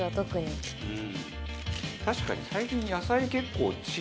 確かに最近。